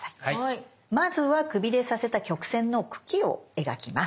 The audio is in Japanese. まずはくびれさせた曲線の茎を描きます。